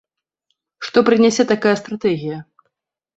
Што прынясе такая стратэгія?